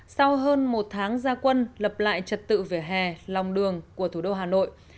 sau hơn một tháng gia quân lập lại trật tự vệ hè lòng đường của thủ đô hà nội